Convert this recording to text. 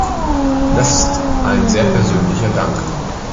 Das ist ein sehr persönlicher Dank.